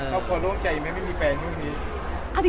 ครอบครัวโล่งใจยังไม่มีแฟนช่วงนี้